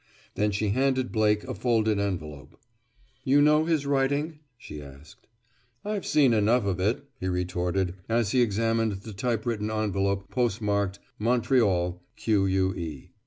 Then she handed Blake a folded envelope. "You know his writing?" she asked. "I've seen enough of it," he retorted, as he examined the typewritten envelope postmarked "Montreal, Que."